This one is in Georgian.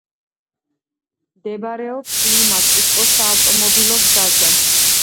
მდებარეობს ლიმა–კუსკოს საავტომობილო გზაზე.